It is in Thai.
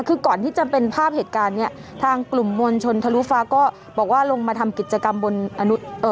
คือก่อนที่จะเป็นภาพเหตุการณ์เนี้ยทางกลุ่มมวลชนทะลุฟ้าก็บอกว่าลงมาทำกิจกรรมบนอนุเอ่อ